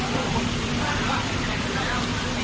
โปรดลับกลับไป